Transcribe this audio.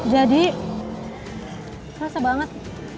jadi serasa banget